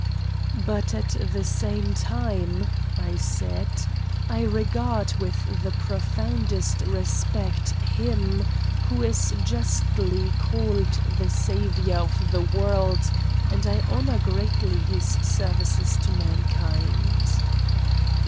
"But at the same time," I said, "I regard with the profoundest respect Him who is justly called the Saviour of the world, and I honour greatly His services to mankind.